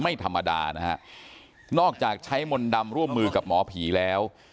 ไม่ธรรมดานะฮะนอกจากใช้มนต์ดำร่วมมือกับหมอผีแล้ว